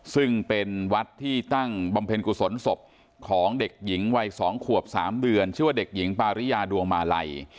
ซึ่งเป็นวัดที่ตั้งบำเพ็ญกุศลศพของเด็กหญิงวัย๒ขวบ๓เดือนชื่อว่าเด็กหญิงปาริยาดวงมาลัย